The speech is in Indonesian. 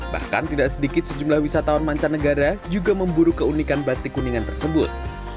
bahkan tidak sedikit sejumlah wisatawan mancanegara juga memburu keunikan batik kuningan tersebut